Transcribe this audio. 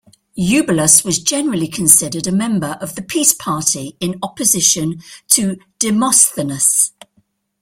Eubulus was generally considered a member of the "peace party", in opposition to Demosthenes.